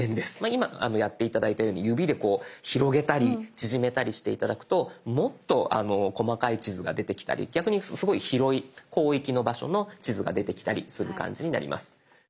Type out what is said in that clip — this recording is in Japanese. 今やって頂いたように指でこう広げたり縮めたりして頂くともっと細かい地図が出てきたり逆にすごい広い広域の場所の地図が出てきたりする感じになります。